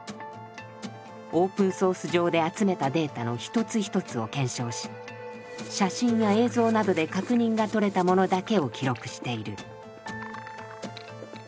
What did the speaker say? オープンソース上で集めたデータの一つ一つを検証し写真や映像などで確認が取れたものだけを記録している。